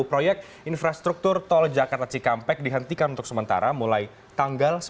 proyek infrastruktur tol jakarta cikampek dihentikan untuk sementara mulai tanggal